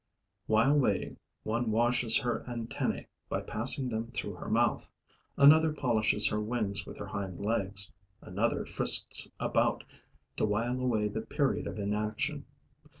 While waiting, one washes her antennae by passing them through her mouth, another polishes her wings with her hind legs, another frisks about to while away the period of inaction.